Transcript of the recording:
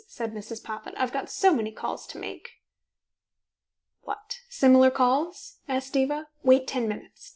said Mrs. Poppit. "I've so many calls to make." "What? Similar calls?" asked Diva. "Wait ten minutes.